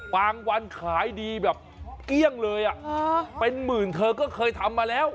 วันขายดีแบบเกลี้ยงเลยเป็นหมื่นเธอก็เคยทำมาแล้ว